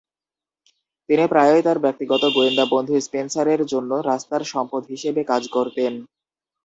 তিনি প্রায়ই তার ব্যক্তিগত গোয়েন্দা বন্ধু স্পেনসারের জন্য রাস্তার সম্পদ হিসেবে কাজ করতেন।